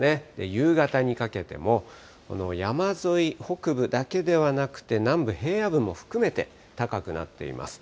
夕方にかけても山沿い、北部だけではなくて、南部平野部も含めて、高くなっています。